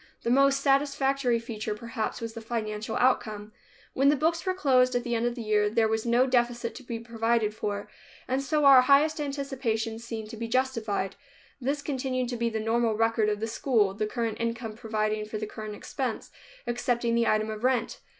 The most satisfactory feature, perhaps, was the financial outcome. When the books were closed, at the end of the year, there was no deficit to be provided for, and so our highest anticipations seemed to be justified. This has continued to be the normal record of the school, the current income providing for the current expense, excepting the item of rent.